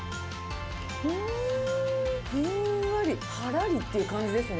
ふんわり、はらりっていう感じですね。